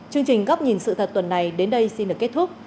chương trình góc nhìn sự thật tuần này đến đây xin được kết thúc